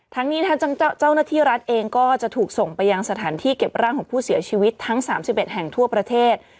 ทั้งนี้ทั้งเจ้าหน้าที่รัฐเองก็จะถูกส่งไปยังสถานที่เก็บร่างของผู้เสียชีวิตทั้ง๓๑แห่งทั่วประเทศ